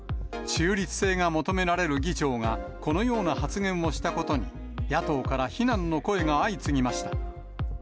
中立性が求められる議長が、このような発言をしたことに、野党から非難の声が相次ぎました。